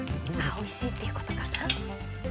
おいしいってことかな？